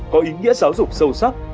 có ý nghĩa giáo dục sâu sắc